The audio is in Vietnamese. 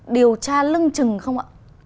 điều tra lưng trừng không ạ